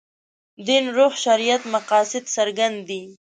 دین روح شریعت مقاصد څرګند دي.